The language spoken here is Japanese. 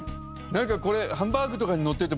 これハンバーグとかにのっててもいいね